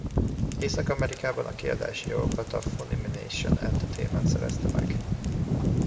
Észak-Amerikában a kiadási jogokat a Funimation Entertainment szerezte meg.